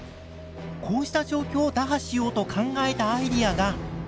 こうした状況を打破しようと考えたアイデアが。